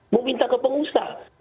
mau minta ke pengusaha